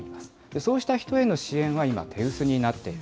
そうした人への支援は今、手薄になっている。